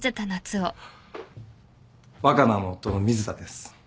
若菜の夫の水田です。